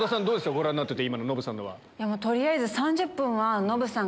ご覧になってて今のノブさんは。